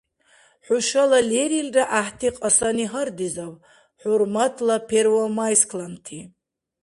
ХӀушала лерилра гӀяхӀти кьасани гьардизаб, хӀурматла первомайскланти!